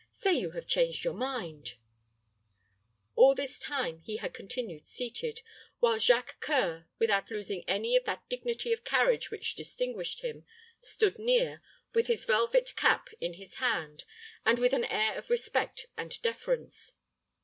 Say you have changed your mind." All this time he had continued seated, while Jacques C[oe]ur, without losing any of that dignity of carriage which distinguished him, stood near, with his velvet cap in his hand, and with an air of respect and deference.